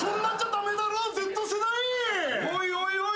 おいおいおい！